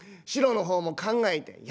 シロの方も考えて。